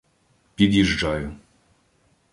Під'їжджаю.